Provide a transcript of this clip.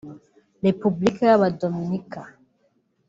Repubulika y’Abadominika